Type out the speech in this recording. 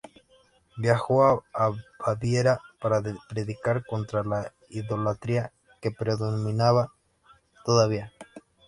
Viajó a Baviera para predicar contra la idolatría que predominaba todavía.